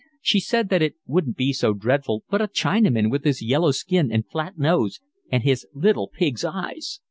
She said that it wouldn't be so dreadful, but a Chinaman, with his yellow skin and flat nose, and his little pig's eyes!